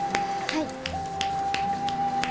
はい。